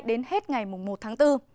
đến hết ngày một tháng bốn